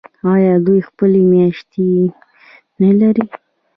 آیا دوی خپلې میاشتې نلري؟